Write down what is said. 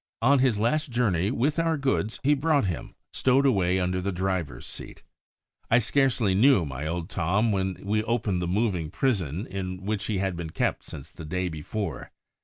On his last journey with our goods he brought him, stowed away under the driver's seat. I scarcely knew my old Tom when we opened the moving prison in which he had been kept since the day before.